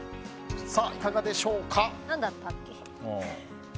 いかがでしょうか？